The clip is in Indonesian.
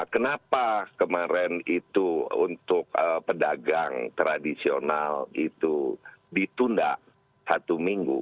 kenapa kemarin itu untuk pedagang tradisional itu ditunda satu minggu